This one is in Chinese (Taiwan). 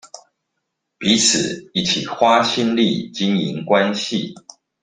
彼此一起花心力經營關係